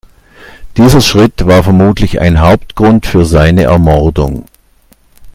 Dieser Schritt war vermutlich ein Hauptgrund für seine Ermordung.